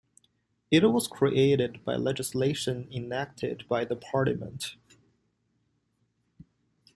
It was created by legislation enacted by the Parliament.